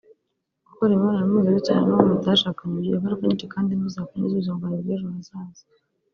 Gukora imibonano mpuzabitsina n’uwo mutashakanye bigira ingaruka nyinshi kandi mbi zakwangiza ubuzima bwawe bw’ejo hazaza